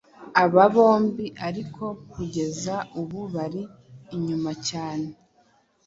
Aba bombi ariko kugeza ubu bari inyuma cyane,